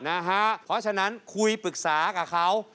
เพราะฉะนั้นคุยปรึกษากับเขา